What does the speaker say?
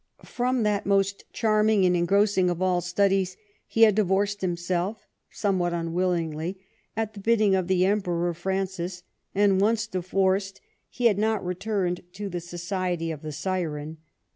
* From that most charming and engrossing of all studies he had divorced himself, some what unwillingly, at the bidding of the Emperor Francis ; and, once divorced, he had not returned to the society of the siren.